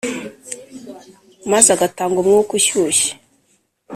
maze agatanga umwuka ushyushye